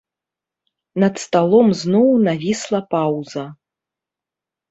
Над сталом зноў навісла паўза.